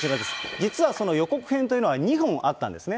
実はその予告編というのは２本あったんですね。